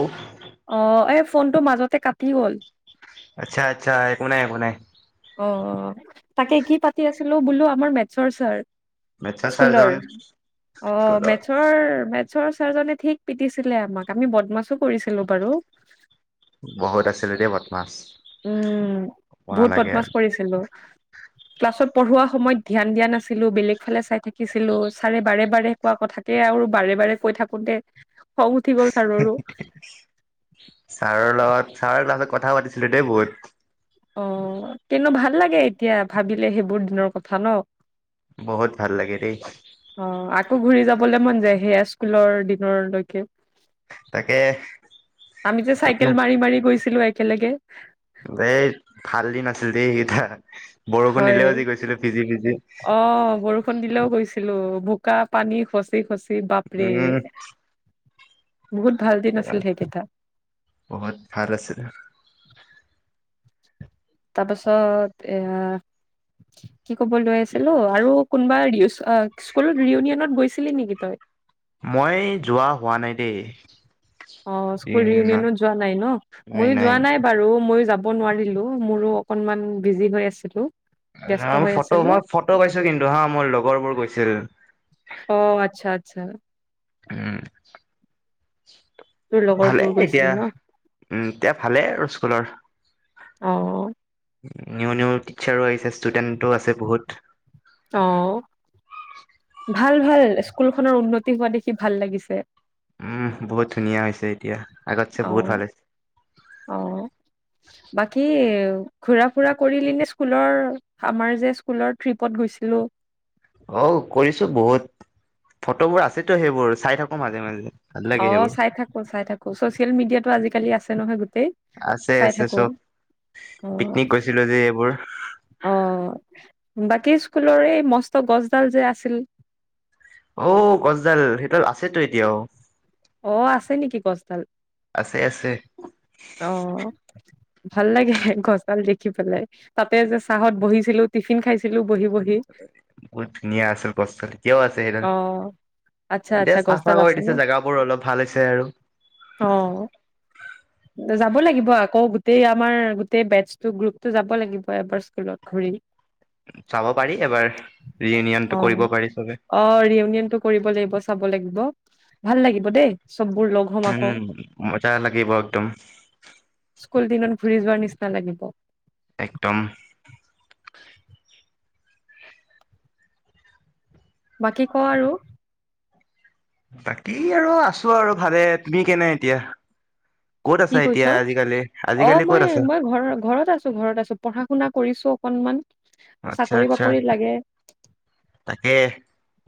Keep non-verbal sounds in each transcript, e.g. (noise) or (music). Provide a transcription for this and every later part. ও অ', এই ফোনটো মাজতে কাটি গ'ল। আচ্ছা-আচ্ছা একো নাই-একো নাই। অ, তাকে কি পাতি আছিলো বোলো আমাৰ মেথছৰ ছাৰ মেথছৰ স্কুলৰ ছাৰজন অ, স্কুলৰ মেথছৰ-মেথ মেথচৰ চাৰজনে ঠিক পিটিছিলে আমাক আমি বদমাছো কৰিছিলো বাৰু বহুত আছিলে দিয়া মাত উম বহুত নালাগে বদমাছ আৰু কৰিছিলো ক্লাছত পঢ়োৱা সময়ত ধ্যান দিয়া নাছিলো বেলেগ ফালে চাই থাকিছিলো চাৰে বাৰে বাৰে কোৱা কথাকে আৰু বাৰে বাৰে কৈ থাকোতে খং উঠি গ'ল ছাৰৰো ছাৰৰ লগত ছাৰ লগত কথা পাতিছিলো দেই বহুত অ কিন্তু ভাল লাগে এতিয়া ভাবিলে সেইবোৰ দিনৰ কথা ন। বহুত ভাল লাগে দেই। অ আকৌ ঘূৰি যাবলৈ মন যায় সেয়া স্কুলৰ দিনৰলৈকে। তাকে আমি যে ক'তনো চাইকেল মাৰি মাৰি গৈ ছিলো একেলগে। এই ভাল দিন আছিল দেই তেতিয়া হয় অ বৰষুণ দিলেও গৈ- ছিলো বোকা পানী খচি খচি বাপৰে উম বহুত ভাল দিন আছিল সেইকেইটা বহুত ভাল আছিলে। তাৰপাছত এ কি কব লৈ আছিলো আৰু কোনোবা স্কুলত ৰিয়উনিয়নত গৈছিলি নেকি তই? মই যোৱা হোৱা নাই দেই অ স্কুল ৰিউনিয়নত যোৱা নাই ন? মইও যোৱা নাই বাৰু ময়ো যাম যা়ব নোৱাৰিলো মোৰো অকনমান বিজি হৈ আছিলো। ব্যস্ত হৈ ফটো আছিলো মই ফটো পাইছো কিন্তু হা মোৰ লগৰবোৰ গৈছিল। আছা। (unintelligible) উম। তোৰ ভালে লগৰবোৰ গৈছিল এতিয়া, ন উম এতিয়া ভালে আৰু স্কুলৰ অ',। নিউ নিউ টিচাৰো আহিছে ষ্টুডেন্টো আছে বহুত অ', ভাল, ভাল স্কুলখনৰ উন্নতি হোৱা দেখি ভাল লাগিছে। উম, বহুত ধুনীয়া হৈছে। এতিয়া আগতছে বহুত অ', ভাল হৈছে অ', বাকী ঘুৰা ফুৰা কৰিলি নে? স্কুলৰ আমাৰ যে, স্কুলৰ ট্ৰিপত গৈছিলোঁ? অ', কৰিছোঁ বহুত ফটোবোৰ আছেতো সেইবোৰ চাই থাকো মাজে, মাজে। ভাল লাগে অ' সেইবোৰ চাই থাকো চাই থাকো চচিয়েল মিডিয়াটো আজিকালি আছে নহয়, গোটেই আছে চাই আছে থাকো। চব অ' পিকনিক গৈছিলো যে এইবোৰ অ' বাকী স্কুলৰ এই মস্ত গছডাল যে আছিল? অ' গছডাল সেইডাল আছেতো এতিয়াও। অ' আছে নেকি গছ ডাল আছে আছে অঁ ভাল লাগে গছডাল দেখি পেলাই তাতে যে চাহঁত বহিছিলো টিফিন খাইছিলো বহি বহি। বহুত ধুনীয়া আছিল গছ ডাল, এতিয়াও আছে সেইডাল, অ আচ্ছা এতিয়া আচ্ছা চাফ চফাই গছডাল কৰি আছে ন দিছে জেগা বোৰ। অ' যাব লাগিব আকৌ। টেই আমাৰ গোটেই বেটচটো গ্ৰুপতটো যাব লাগিব এবাৰ স্কুলত ঘূৰি চাব পাৰি এবাৰ, অ ৰিয়ুনিয়নটো কৰিব পাৰি চবে। অ ৰিউনিয়নটো কৰিব লাগিব চাব লাগিব। ভাল লাগিব দেই। চববোৰ লগ হ'ম আকৌ উম মজা লাগিব একদম। সকলো দিন ঘুৰি যোৱাৰ নিচিনা লাগিব। একদম। বাকী কোৱা আৰু? বাকী আৰু আছো আৰু ভালে। তুমি কেনে এতিয়া? ক'ত কি আছা কৈছ? এতিয়া আজিকালি আজিকালি অ' ক'ত মই আছা মই ঘ ঘৰত আছো ঘৰত আছো পঢ়া শুনা কৰিছো অকনমান। আচ্ছা চাকৰি আচ্ছা বাকৰি লাগে। তাকে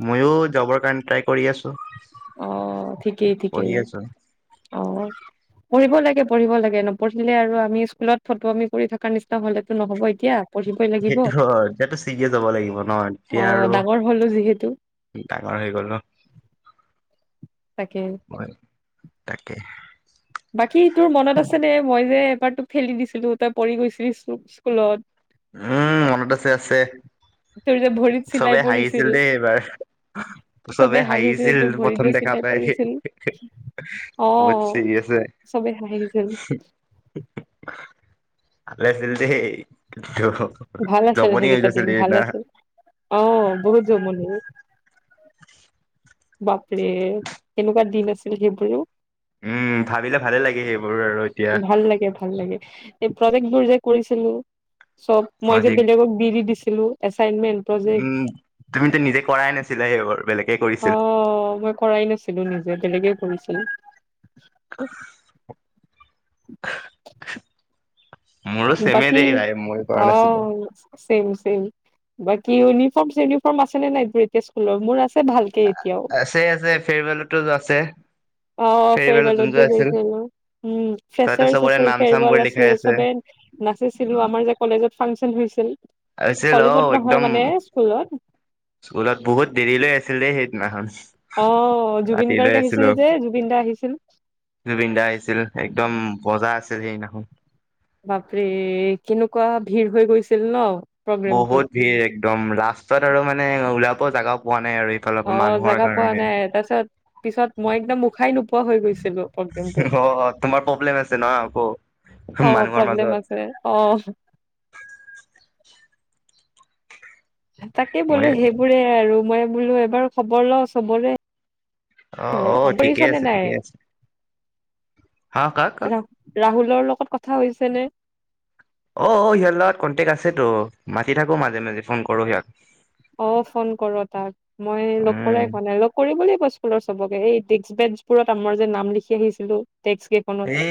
ময়ো জবৰ কাৰণে ট্ৰাই কৰি আছোঁ। অ', ঠিকেই, ঠিকেই অ', পঢ়িব লাগ পঢ়িব লাগে, নপঢ়িলে আৰু আমি স্কুলত ফটোৱামী কৰি থকা নিচিনা হ'লেতো নহ'ব এ সেইটো হয়, এতিয়াটো চিৰিয়াচ যাব লাগিব ন' অ এতিয়া আৰু ডাঙৰ হলো যিহেতু ডাঙৰ হৈ গ'লো। তাকে হয়, তাকে। বাকী তোৰ মনত আছেনে? মই যে, এবাৰ তোক ঠেলি দিছিলোঁ তই পৰি গৈছিলি স্কু-স্কুলত উম, মনত আছে, আছে তোৰ যে ভৰিত চিলাই চবে পৰিছিল হাঁহিছিল দেই এইবাৰ, চবে হাঁহিছিল, তোৰ ভৰিত প্ৰথম যে দেখা চিলাই পাই পৰিছিল অ বহুত (unintelligible) চবে হাঁহিছিল। (unintelligible) দেই কিন্তু ভাল আছিল জমনি হৈ সেইকেইটা গৈছিল দিন ভাল সেইদিনা আছিল অঁ বহুত জমনি। বাপৰে এনেকুৱা দিন আছিল সেইবোৰও। উম, ভাবিলে ভালে লাগে সেই ভাল লাগে ভাল লাগে প্ৰজেক্টবোৰ যে কৰিছিলোঁ। চব মই যে প্ৰজেক্ট বেলেগক দি দি দিছি দিলোঁ, এচাইমেন্ট প্ৰজেক, উম, তুমিতো নিজে কৰাই নাছিলা সেইবোৰ বেলেগে অ কৰিছিল। মই কৰাই নাছিলো নিজে তেনেকে কৰিছিল। (inaudible) মোৰো চেমে বাকি দেই ভাই মই কৰা নাছিলো। অ' চেম। চেম বাকী ইউনিফৰ্ম-চিউনিফৰ্ম আছে নে নাই, ব্ৰেকে স্কুলৰ? মোৰ আছ ছে ভালকে এতিয়াও। ফেৰিবেলতো যোৱা আছে। অ' ফেৰৱেলত ফেৰবেলত যোনটো যে আছিল গৈছিলো। উম, তাতে ফ্ৰেছাৰ্ছ চবৰে আছিল নাম চাম বোৰ ফেৰবেল লিখাই আছিল আছে। চবে নাচিছিলো আমাৰ যে কলেজত। ফাংচন হৈছিল। আছিল কলেজত অ' নহয় একদম মানে স্কুলত স্কুলত বহুত দেৰি লৈ আছিল দেই সেইদিনাখন। অ', জুবিন গাৰ্গ ৰাতিলৈ আহিছিল আছিলো, যে জুবিন দা আহিছিল। জুবিন দা আহিছিল একদম মজা আছিল সেইদিনাখন। বাপৰে! কেনেকুৱা ভিৰ হয় গৈছিল ন? প্ৰগ্ৰেমটোত বহুত ভিৰ একদম ৰাস্তাত আৰু মানে ওলাব জেগা পোৱা নাই আৰু এইফালৰ পৰা অ' মানুহৰ জেগা পোৱা কাৰণে। নাই, তাৰপিছত পিছত মই একদম উশাই নোপোৱা হৈ গৈছিলো। প্ৰগেমটোত, অ তোমাৰ প্ৰব্লেম আছে ন আকৌ অ' মানুহৰ মাজত প্ৰব্লেম আছে অ'। তাকে বোলো মই সেইবোৰে আৰু মই বোলো এবাৰ খবৰ ল চবৰে অ এ অ ঠিকে তামছনে আছে ঠিকে নাই আছে হা কাক কাক ৰা ৰাহুলৰ লগত কথা হৈছে নে অ সিহঁৰ লগত কণ্টেক্ট আছেতো মাতি থাকো মাজে মাজে ফোন কৰো সিহঁত অ ফোন কৰ তাক মই লগ উম কৰাই হোৱা নাই লগ কৰিবলৈ কৈছো স্কুলৰ চবকে এই ডেক্ক বেঞ্চবোৰত আমাৰ যে নাম লিখি আহিছিলো ডেস্ক কেইখনত এই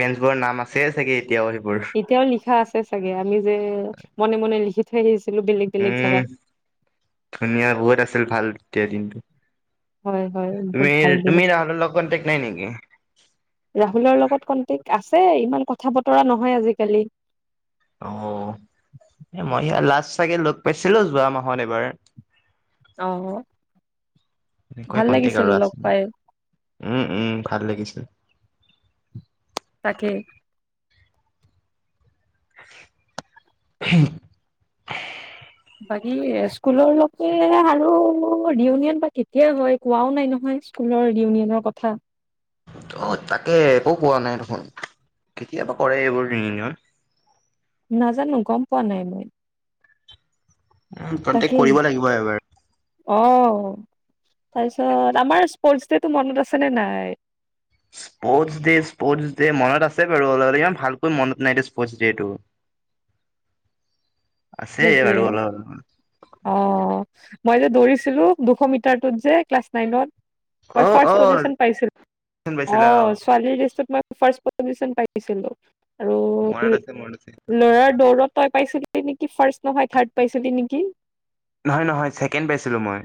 বেঞ্চবোৰৰ নাম আছেই চাগে এতিয়াও আহিব এতিয়াও লিখা আছে চাগে আমি যে মনে মনে লিখি িক উম ধুনীয়া বহুত আছিল ভাল তেতিয়া দিনটো। হয় হয় বহুত তমি ভাল দিন তুমি আছে ৰাহুলৰ লগত কনটেক নাই নেকি? ৰাহুলৰ লগত কনটেক্ট আছ আছে ইমান কথা বতৰা নহয় আজিকালি। অ মই ই লাষ্ট চাগে লগ পাইছিলো যোৱা মাহত এবাৰ। অ এনেকৈ ভাল কন্টেক্ট লাগিছিল আৰু লগ আছিল পাই উম উম ভাল লাগিছিল তাকে (inaudible) বাকী স্কুলৰ লোকে আৰু ৰিইউনিয়ন বা কেতিয়া হয় কোৱাও নাই নহয় স্কুলৰ ৰিইউনিয়নৰ কথা অ তাকে একো কোৱা নাই দেখোন, কেতিয়াবা কৰে এইবোৰ ৰিইউনিয়ন নাজানো গম পোৱা নাই মই উম কন্টেক কৰিব লাগিব এবাৰ অহ তাৰপিছত, আমাৰ স্প'ৰ্টছ ডেটো মনত আছেনে নাই স্পৰ্টছ ডেচ স্পৰ্টছ ডে' মনত আছে বাৰু অলপ অলপ ইমান ভালকৈ মনত নাই দে স্পৰ্টছ ডে'টো সেইটোৱে, অলপ। অহ মই যে দৌৰিছিলো দুশ মিটাৰটোত যে ক্লাছ নাইনত মই অ' ফাৰ্ষ্ট পজিছন অ' পাইছিলো, পাইছিলা অহ অ'। ছোৱালীৰ লিষ্টত মই ফাৰ্ষ্ট পজিচন পাইছিলো আৰু মনত আছে মনত আছে ল'ৰাৰ দৌৰত তই পাইছিলি কি ফাৰ্ষ্ট নহয় থাৰ্ড পাইছিলি নেকি? নহয় নহয় ছেকেণ্ড পাইছিলো মই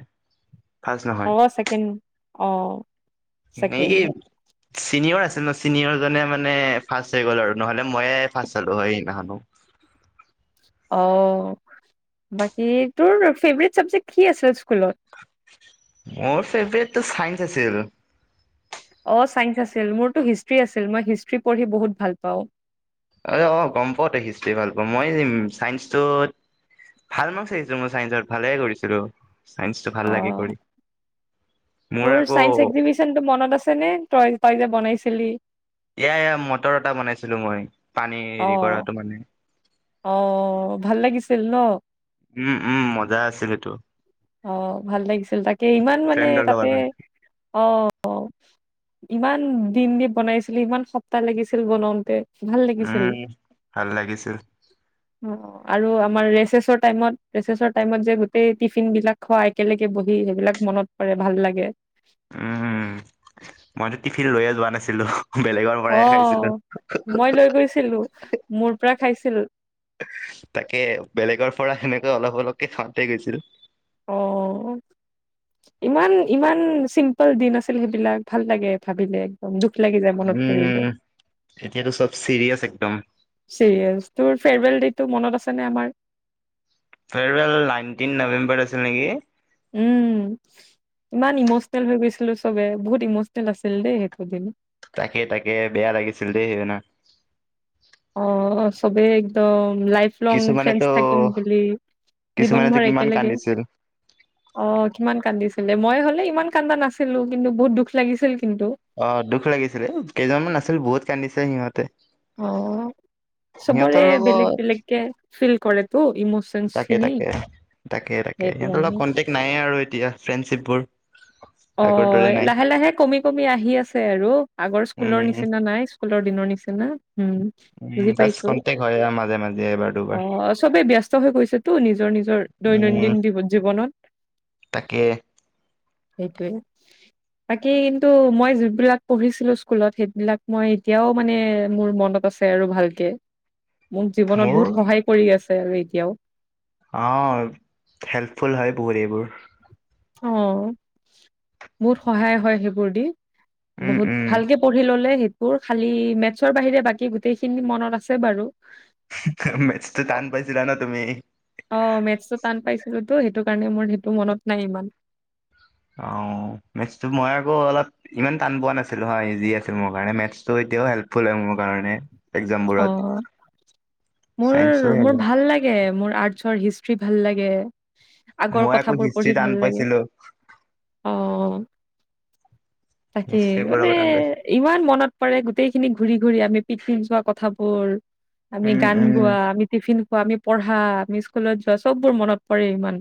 ফাৰ্ষ্ট অহ ছেকেণ্ড অহ হেৰি চিনিয়ৰ আছিল ন চিনিয়ৰজনে মানে ৰ্ফাষ্ট হৈ গ'ল আৰু নহ'লে মইয়ে ৰ্ফাষ্ট হ'লো হয় সেইদিনা খনো অহ, বাকী তোৰ ফেভাৰিট চাবজেক্ট কি আছিল স্কুলত মোৰ ফেভাৰিটতো চাইন্স আছিল অ চাইন্স আছিল মোৰতো হিষ্ট্ৰ্ৰী আছিল মই হি ষ্ট্ৰী পঢ়ি বহুত ভাল পাওঁ এই অ গম পাওঁ তই হিষ্ট্ৰী ভাল পাওঁ মই ই চাইন্সটোত ভাল মাৰ্কছ আহিছিল মোৰ চাইন্সত ভালে কৰিছিলো চাইন্সটো ভাল লাগে অ', কৰি মোৰ তোৰ চাইন্স আকৌ এক্সিবিশ্বনটো মনত আছে নে তই তই যে বনাই ছিলি এয়া এয়া মটৰ এটা বনাইছিলো মই পানী হেৰি অ', কৰাটো মানে ছিল ন উম উম মজা আছিলেতো। অ' ভাল লাগিছিল তাকে ইমান মানে ফ্ৰেণ্ডৰ তাতে লগত মানে। অ'। ইমান দিন দি বনাইছিলি ইমান সপ্তাহ লাগিছিল বনাওঁতে। ভাল লাগিছিল। উম, ভাল লাগিছিল। অ' আৰু আমাৰ ৰেচেচৰ টাইমত ৰেচেচৰ টাইমত যে গোটেই টি ফিন বিলাক খোৱা একেলগে বহি সেইবিলাক মনত পৰে ভাল লাগে। উম উম মইতো টিফিন লৈয়ে যোৱা নাছিলো। বেলেগৰ পৰাই খাইছিলো অ', হু হু মই হু লৈ গৈছিলো মোৰ পৰা খাইছিল তাকে বেলেগৰ পৰা সেনেকে অলপ অলপকে খাওঁতে গৈছিল অ'ইমান ইমান চিম্পল দিন আছিল সেইবিলাক ভাল লাগে ভাবিলে একদম দুখ লাগি যায় মনত উম, পৰিলে এতিয়াতো চব চিৰিয়াছ একদম। টোৰ মনত আছে নে আমাৰ ফেৰৱেল নাইনটিন নৱেম্বৰ আছিল নেকি। উম, ইমান ইমচনেল হৈ গৈছিলো চবে বহুত ইমচনেল আছিল দেই সেইটো দিন। তাকে তাকে বেয়া লাগিছিল দে সেইদিনা। অ' চবেই একদম লাইফ লং ফ্ৰেন্স কিছুমানেতো থাকিম বুলি কিছুমানেতো জীবনভৰ কিমান একেলগে কান্দিছিল অ'কিমান কান্দিছিল মই হলে ইমান কান্দা নাছিলো কিন্তু বহুত দুখ লাগিছিল। কিন্তু অ' দুখ লাগিছিলে কেইজন মান আছিল বহুত কান্দিছিল। আছে সিহঁতে। অ', চবৰে সিহঁতৰ বেলেগ লগত বেলেগকে ফিল কৰে। তাকে তাকে, তাকে তাকে সেইটো সিহঁতৰ কাৰণে লগত কনটেক্ট নাইয়ে আৰু এতিয়া। ফ্ৰেণ্ডশ্বিপবোৰ আগৰ দৰে নাই অ'লাহে লাহে কমি কমি আহি আছে আৰু আগৰ স্কুলৰ উম নিচিনা নাই স্কুলৰ দিনৰ নিচিনা। না। উম, উম বুজি জাষ্ট পাইছো কন্টেক্ট হয় আৰু মাজে মাজে এবাৰ দুবাৰ অ' চবেই ব্যস্ত হৈ গৈছেতো নিজৰ নিজৰ উম দৈনন্দিন জী জীৱনত। তাকে সেইটোৱে, বাকী কিন্তু মই যিবিলাক পঢ়িছিলো স্কুলত সেইবিলাক মই এতিয়াও মানে মোৰ মনত আছে আৰু ভালকে। মোক জীৱনত মোৰ বহুত সহায় কৰি আছে। আৰু এতিয়াও। অ' হেল্পফুল হয় বহুত এইবোৰ। অ' বহুত সহায় হয় সেইবোৰ দি। উম বহুত উম ভালকে পঢ়ি ললে বোৰ খালি মেথছৰ বাহিৰে বাকী গোটেই খিনি মনত আছে বাৰু। মেথছটো টান পাইছিলা ন তুমি অ' মেথছটো টান পাইছিলোতো সেইটো কাৰণে মোৰ সেইটো মনত নাই ইমান। অ' মেথছটো মই আকৌ অলপ ইমান টান পোৱা নাছিলো হয় ইজি আছিল মোৰ কাৰণে মেথছটো এতিয়াও হেল্পফুল হয় মোৰ কাৰণে। অ, এক্জামবোৰত চাইন্সো মোৰ- মোৰ ভাল লাগে মোৰ আৰ্টছৰ হিষ্ট্ৰী ভাল লাগে। আগৰ মই আকৌ কথাবোৰ হিষ্ট্ৰী পঢ়ি টান ভাল লাগে পাইছিলো অ, (inaudible) তাকে হিষ্ট্ৰীবোৰ মানে আকৌ টান পাইছিলো ইমান মনত। পাৰে গোটেই খিনি ঘূৰি - ঘূৰি আমি পিকনিক যোৱা কথা। থাপৰ। আমি উম গান উম গোৱা আমি টিফিন আমি পঢ়া আমি স্কুলত যোৱা চববোৰ মনত পৰে ইমান।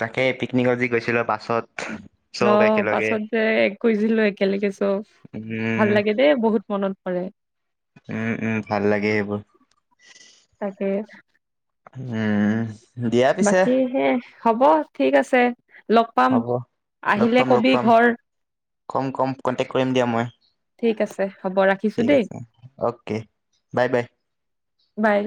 তাকে পিকনিকত যি গৈছিলো বাছত ন চব একেলগে পাছত যে গৈছিলো একেলগে চব ভাল উম লাগে দেই বহুত মনত। কৰে। উম - উম ভাল লাগে সেইবোৰ। এ উম, দিয়া পিছে বাকী সে হব। ঠিক আছে। লগ পাম হ'ব লগ আহিলে পাম - লগ কবি পাম ঘৰ কম - কম কণ্টেকট কৰিম দিয়া মই ঠিক আছে হ'ব ৰাখিছো ঠিক দেই আছে অ'কে বাই - বাই। বাই